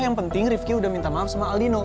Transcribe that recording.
yang penting riffky udah minta maaf sama alino